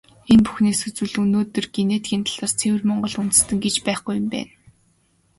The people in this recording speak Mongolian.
Энэ бүхнээс үзвэл, өнөөдөр генетикийн талаас ЦЭВЭР МОНГОЛ ҮНДЭСТЭН гэж байхгүй юм байна.